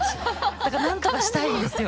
だからなんとかしたいんですよ。